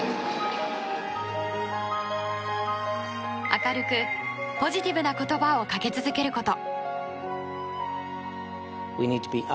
明るくポジティブな言葉をかけ続けること。